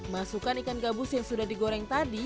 masukkan ikan gabus yang sudah digoreng tadi